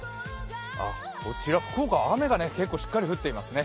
こちら福岡、雨がしっかり降っていますね。